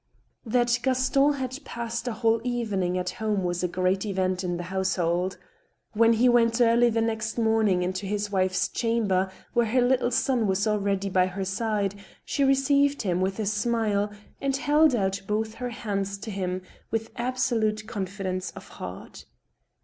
That Gaston had passed a whole evening at home was a great event in the household. When he went early the next morning into his wife's chamber, where her little son was already by her side, she received him with a smile, and held out both her hands to him, with absolute confi dence of heart.